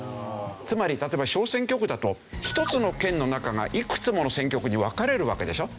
つまり例えば小選挙区だと１つの県の中がいくつもの選挙区に分かれるわけでしょ。